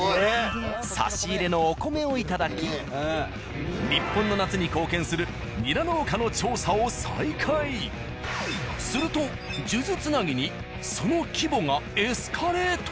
差し入れのお米を頂き日本の夏に貢献するニラ農家のすると数珠つなぎにその規模がエスカレート！